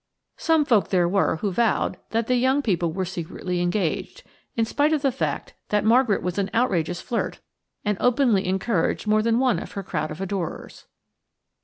Some folk there were who vowed that the young people were secretly engaged, in spite of the fact that Margaret was an outrageous flirt and openly encouraged more than one of her crowd of adorers.